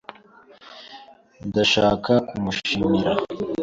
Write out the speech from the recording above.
Ndashaka kumushimira.